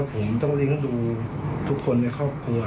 ผมต้องเลี้ยงดูทุกคนในครอบครัว